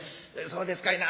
「そうですかいな。